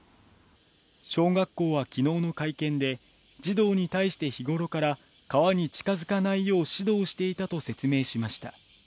小学校は、きのうの会見で、児童に対して日頃から川に近づかないよう指導していたと説明しました。